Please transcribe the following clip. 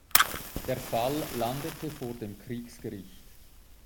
Der Fall landete vor dem Kriegsgericht.